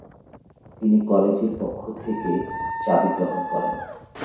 তিনি কলেজের পক্ষ থেকে চাবি গ্রহণ করেন।